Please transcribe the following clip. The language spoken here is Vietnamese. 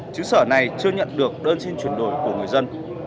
chứ sở này chưa nhận được đơn xin chuyển đổi của người dân